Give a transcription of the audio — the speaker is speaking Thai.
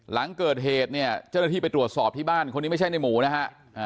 หลังเกิดเหตุเนี่ยเจ้าหน้าที่ไปตรวจสอบที่บ้านคนนี้ไม่ใช่ในหมูนะฮะ